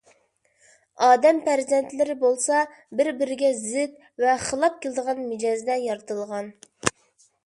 ئادەم پەرزەنتلىرى بولسا بىر - بىرىگە زىت ۋە خىلاپ كېلىدىغان مىجەزدە يارىتىلغان.